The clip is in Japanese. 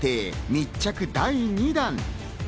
密着第２弾。